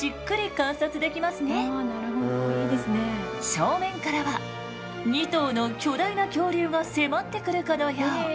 正面からは２頭の巨大な恐竜が迫ってくるかのよう。